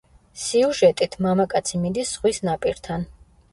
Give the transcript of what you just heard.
სიუჟეტით, მამაკაცი მიდის ზღვის ნაპირთან.